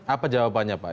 apa jawabannya pak